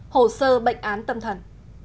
hồ sơ bệnh án tâm thần